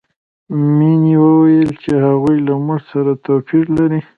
مینې وویل چې هغوی له موږ سره توپیر لري